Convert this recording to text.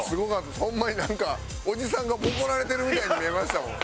ホンマになんかオジさんがボコられてるみたいに見えましたもん。